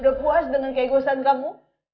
udah puas dengan keegosan kamu